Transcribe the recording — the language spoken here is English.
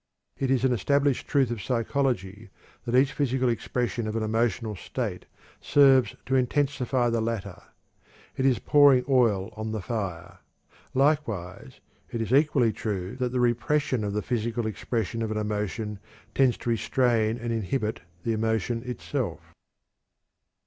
It is an established truth of psychology that each physical expression of an emotional state serves to intensify the latter; it is pouring oil on the fire. Likewise, it is equally true that the repression of the physical expression of an emotion tends to restrain and inhibit the emotion itself.